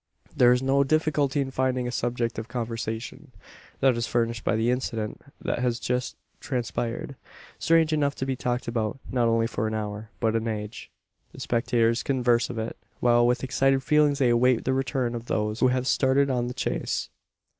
There is no difficulty in finding a subject of conversation. That is furnished by the incident that has just transpired strange enough to be talked about not only for an hour, but an age. The spectators converse of it, while with excited feelings they await the return of those who have started on the chase.